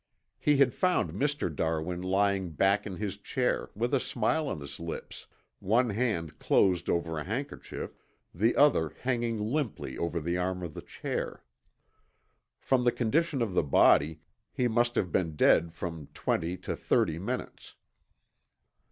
He had found Mr. Darwin lying back in his chair with a smile on his lips, one hand closed over a handkerchief, the other hanging limply over the arm of the chair. From the condition of the body he must have been dead from twenty to thirty minutes.